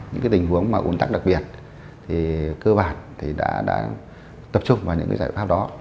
những tình huống mà ồn tắc đặc biệt thì cơ bản thì đã tập trung vào những giải pháp đó